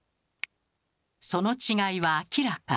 その違いは明らか。